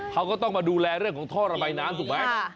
เขาก็ต้องมาดูแลเรื่องของท่อระบายน้ำถูกไหม